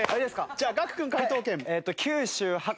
じゃあ楽君解答権。